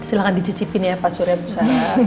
silahkan dicicipin ya pak surya bu sarah